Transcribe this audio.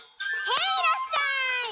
へいらっしゃい！